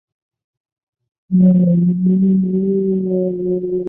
应课差饷租值是评估差饷的基础。